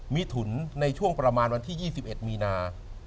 มิถุนในช่วงประมาณวันที่๒๑มีนา